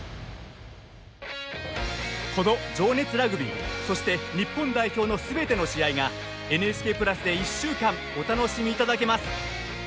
この「情熱ラグビー」そして日本代表の全ての試合がＮＨＫプラスで１週間お楽しみいただけます。